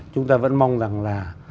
chúng ta vẫn mong rằng là